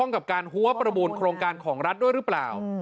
กับการหัวประมูลโครงการของรัฐด้วยหรือเปล่า